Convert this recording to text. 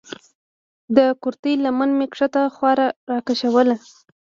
د کورتۍ لمن مې کښته خوا راکښوله.